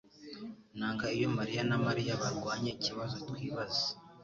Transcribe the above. Nanga iyo mariya na Mariya barwanye ikibazo twibaza